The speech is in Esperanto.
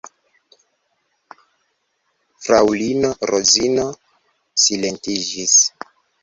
Fraŭlino Rozino silentiĝis.